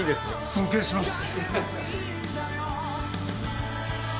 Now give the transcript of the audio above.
尊敬します